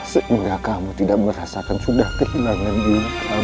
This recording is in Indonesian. sehingga kamu tidak merasakan sudah kehilangan mium kami sayang